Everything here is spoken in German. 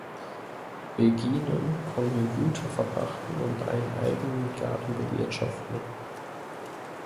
Beginen konnten Güter verpachten und einen eigenen Garten bewirtschaften.